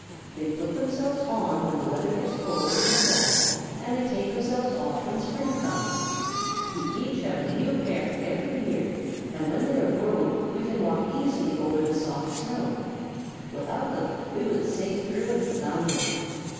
"They put themselves on when the weather gets cold in the fall, and they take themselves off when spring comes. We each have a new pair every year, and when they are grown we can walk easily over the soft snow. Without them we should sink through and flounder."